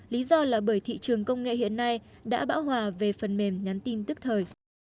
lý do là bởi thị trường công nghệ hiện nay đã bão hòa về phần mềm nhắn tin tức thời